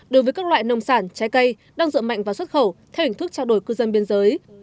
đối với các loại nông sản trái cây đang dựa mạnh vào xuất khẩu theo hình thức trao đổi cư dân biên giới